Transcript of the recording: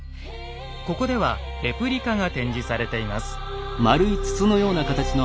ここではレプリカが展示されています。